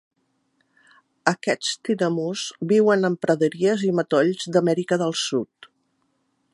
Aquests tinamús viuen en praderies i matolls d'Amèrica del Sud.